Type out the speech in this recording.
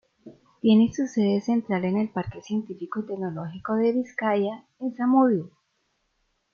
Tiene su sede central en el Parque Científico y Tecnológico de Bizkaia, en Zamudio.